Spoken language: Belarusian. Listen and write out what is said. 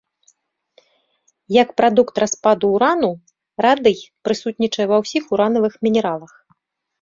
Як прадукт распаду урану, радый прысутнічае ва ўсіх уранавых мінералах.